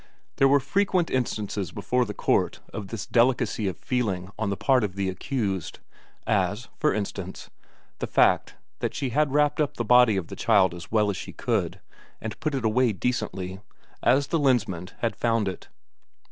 There were frequent instances before the court of this delicacy of feeling on the part of the accused, as, for instance, the fact that she had wrapped up the body of the child as well as she could, and put it away decently, as the Lensmand had found it.